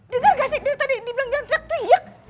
dengar gak sih dari tadi dibilang jangan teriak teriak